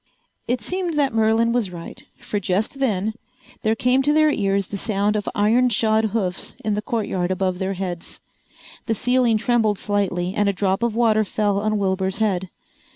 It seemed that Merlin was right, for just then there came to their ears the sound of iron shod hoofs in the courtyard above their heads. The ceiling trembled slightly and a drop of water fell on Wilbur's head.